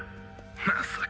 まさか。